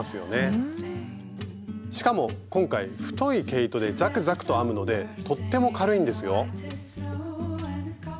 しかも今回太い毛糸でザクザクと編むのでとっても軽いんですよ。